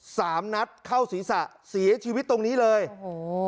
สามนัดเข้าศีรษะเสียชีวิตตรงนี้เลยโอ้โห